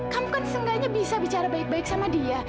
kamu kan seenggaknya bisa bicara baik baik sama dia